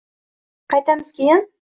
Yana ortga qaytamiz keyin